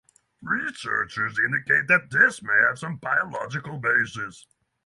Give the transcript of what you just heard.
Research indicates that this may have some biological basis.